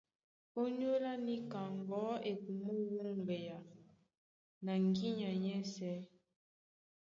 Ónyólá níka ŋgɔ̌ e kumó wúŋgea na ŋgínya nyɛ́sɛ̄.